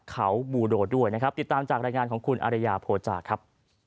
เขาบูโดด้วยนะครับติดตามจากรายงานของคุณอารยาโภจาครับ